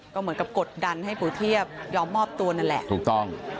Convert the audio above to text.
ก็เหมือนกับกดดันให้ปู่เทียบยอมมอบตัวนั่นแหละถูกต้อง